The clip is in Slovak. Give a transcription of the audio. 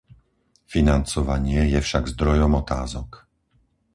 Financovanie je však zdrojom otázok.